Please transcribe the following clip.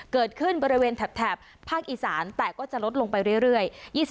เกิดขึ้นบริเวณแถบภาคอีสานแต่ก็จะลดลงไปเรื่อย